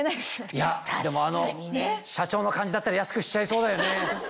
いやでもあの社長の感じだったら安くしちゃいそうだよね。